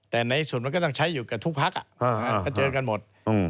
แต่ในส่วนมันก็ต้องใช้อยู่กับทุกพักก็เจอกันหมด